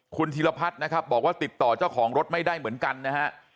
คุณธีรพัฒน์นะครับบอกว่าติดต่อเจ้าของรถไม่ได้เหมือนกันนะฮะ